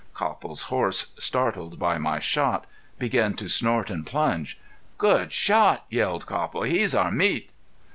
Copple's horse, startled by my shot, began to snort and plunge. "Good shot," yelled Copple. "He's our meat."